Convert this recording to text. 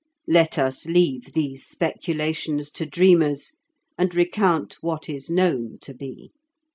Let us leave these speculations to dreamers, and recount what is known to be.